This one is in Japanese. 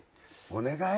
お願い？